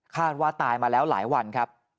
ว่าตายมาแล้วหลายวันครับ